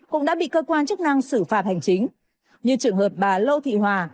cũng đã bị cơ quan chức năng xử phạt hành chính như trường hợp bà lô thị hòa